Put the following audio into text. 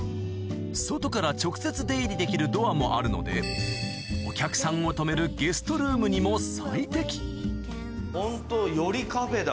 外から直接出入りできるドアもあるのでお客さんを泊めるホントよりカフェだ